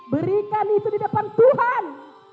berikan itu di depan tuhan